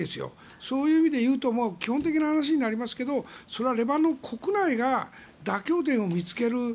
そういう意味で言うと基本的な話になりますけどレバノン国内が妥協点を見つける。